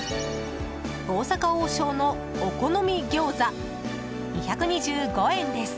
大阪王将のお好み餃子２２５円です。